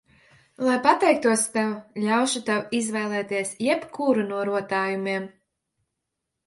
Lai pateiktos tev, ļaušu tev izvēlēties jebkuru no rotājumiem.